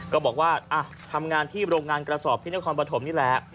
ก็บอกว่าทำงานที่โรงงานกระสอบที่นครปฐมนี่แหละ